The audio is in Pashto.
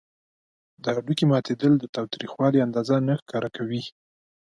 د هډوکي ماتیدل د تاوتریخوالي اندازه نه ښکاره کوي.